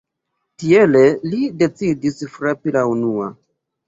Tiele li decidis frapi la unua.